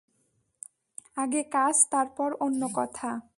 আগে কাজ, তারপর অন্য কথা।